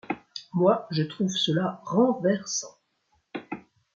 Moi, je trouve cela renversant !